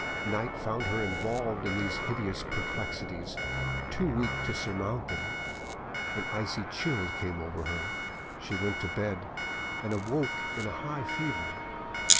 Night found her involved in these hideous perplexities, too weak to surmount them; an icy chill came over her, she went to bed, and awoke in a high fever.